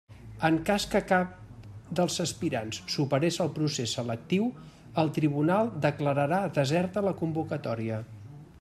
En cas que cap dels aspirants superés el procés selectiu el tribunal declararà deserta la convocatòria.